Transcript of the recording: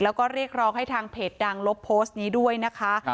แล้วก็เรียกร้องให้ทางเพจดังลบโพสต์นี้ด้วยนะคะ